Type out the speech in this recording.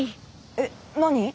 えっ？何？